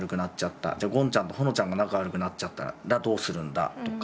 ちゃんとほのちゃんが仲悪くなっちゃったらどうするんだとか。